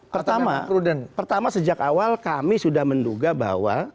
pertama sejak awal kami sudah menduga bahwa